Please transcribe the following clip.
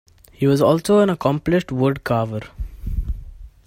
He was also an accomplished wood carver.